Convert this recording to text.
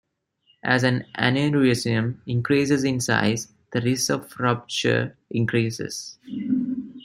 As an aneurysm increases in size, the risk of rupture increases.